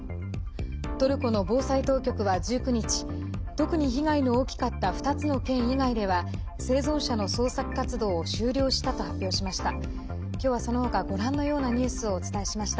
トルコの防災当局は１９日特に被害の大きかった２つの県以外では生存者の捜索活動を終了したと発表しました。